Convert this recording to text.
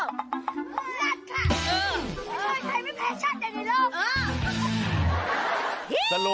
ไม่ใช่ใครไม่แพ้ชาติใดในโลก